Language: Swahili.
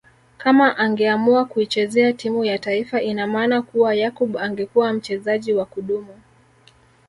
Kama angeamua kuichezea timu ya taifa ina maana kuwa Yakub angekuwa mchezaji wa kudumu